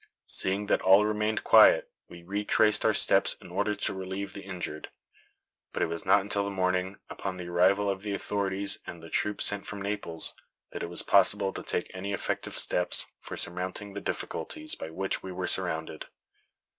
Seeing that all remained quiet, we retraced our steps in order to relieve the injured. But it was not until the morning, upon the arrival of the authorities and the troops sent from Naples, that it was possible to take any effective steps for surmounting the difficulties by which we were surrounded.